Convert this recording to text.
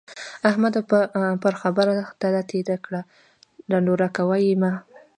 احمده! پر خبره تله تېره کړه ـ ډنډوره کوه يې مه.